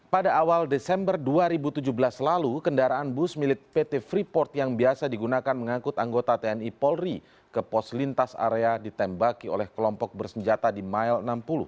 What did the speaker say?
pada awal desember dua ribu tujuh belas lalu kendaraan bus milik pt freeport yang biasa digunakan mengangkut anggota tni polri ke pos lintas area ditembaki oleh kelompok bersenjata di mile enam puluh